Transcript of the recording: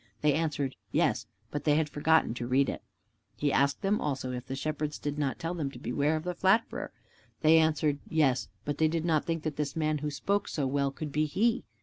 They answered, "Yes," but they had forgotten to read it. He asked them also if the Shepherds did not tell them to beware of the Flatterer. They answered, "Yes," but they did not think that this man who spoke so well could be he.